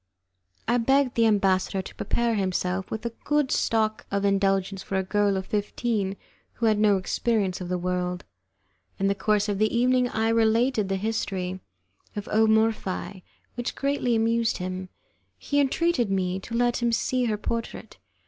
I begged the ambassador to prepare himself with a good stock of indulgence for a girl of fifteen who had no experience of the world. In the course of the evening I related the history of O Morphi, which greatly amused him. He entreated me to let him see her portrait.